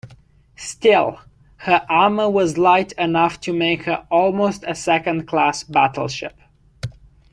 Still, her armour was light enough to make her almost a second-class battleship.